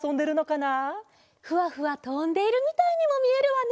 ふわふわとんでいるみたいにもみえるわね。